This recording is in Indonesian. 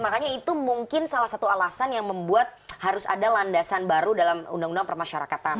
makanya itu mungkin salah satu alasan yang membuat harus ada landasan baru dalam undang undang permasyarakatan